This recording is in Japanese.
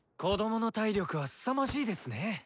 子供の体力はすさまじいですね。